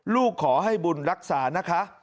ขอให้บุญรักษานะคะ